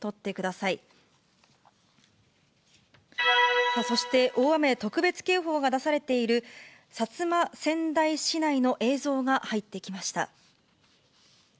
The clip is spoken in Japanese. さあそして、大雨特別警報が出されている、薩摩川内市内の映像が入ってきました。